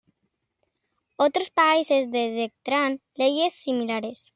Otros países decretaron leyes similares.